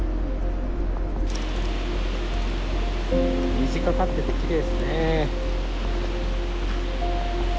虹かかっててきれいですね。